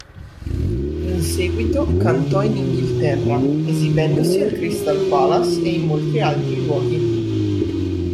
In seguito cantò in Inghilterra, esibendosi al Crystal Palace e in molti altri luoghi.